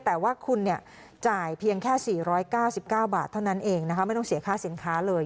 แต่ว่าคุณจ่ายเพียงแค่๔๙๙บาทเท่านั้นเองนะคะไม่ต้องเสียค่าสินค้าเลย